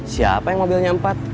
siapa yang mobilnya empat